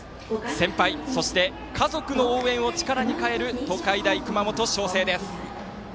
先輩、そして家族の応援を力に変える東海大熊本星翔です。